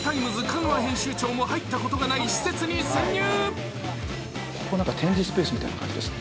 香川編集長も入ったことがない施設に潜入。